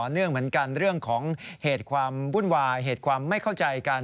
เรื่องเหตุความบุ่นวายเหตุความไม่เข้าใจกัน